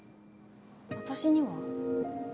私には？